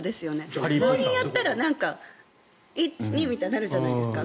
普通にやったら１、２みたいになるじゃないですか。